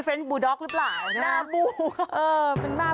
ฟริ้นจะเบอร์ดด๊อกหรือเปล่า